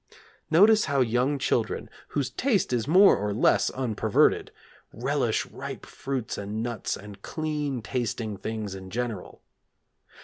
Notice how young children, whose taste is more or less unperverted, relish ripe fruits and nuts and clean tasting things in general.